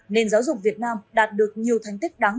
nền giáo dục việt nam đạt được nhiều thành tích đáng